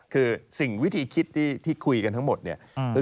คือสิ่งวิธีคิดที่คุยกันทั้งหมดเนี่ย